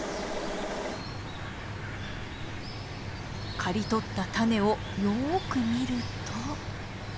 刈り取ったタネをよく見ると。